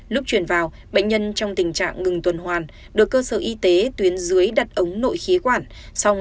lúc chuyển vào bệnh nhân trong tình trạng ngừng tuần hoàn được cơ sở y tế tuyến dưới đặt ống nội khí quản